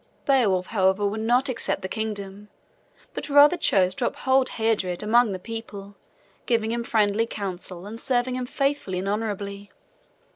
Beowulf, however, would not accept the kingdom, but rather chose to uphold Heardred among the people, giving him friendly counsel and serving him faithfully and honorably.